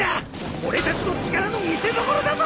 俺たちの力の見せどころだぞ！